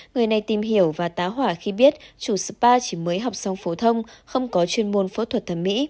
người này tìm hiểu và táo hỏa khi biết chủ spa chỉ mới học xong phổ thông không có chuyên môn phẫu thuật thẩm mỹ